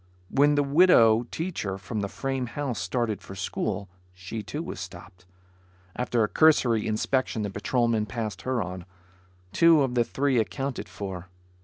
When the widow teacher from the frame house, started for school, she too, was stopped. After a cursory inspection the patrolman passed her on. Two of the three accounted for.